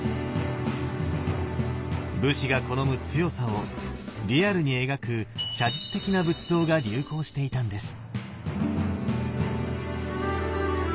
武士が好む強さをリアルに描く写実的な仏像が流行していたんです。